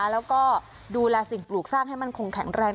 แล้วก็ดูแลสิ่งปลูกสร้างให้มั่นคงแข็งแรง